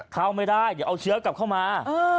เข้าไม่ได้เดี๋ยวเอาเชื้อกลับเข้ามา